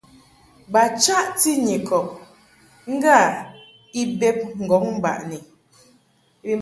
Ba chaʼti Nyikɔb ŋgâ i bed ŋgɔŋ baʼni.